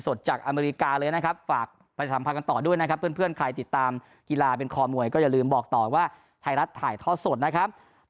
ศรีเกียร์ดีกว่าเยอะ